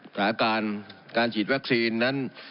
ถ้าอาการการฉีดแวคซีนนั้น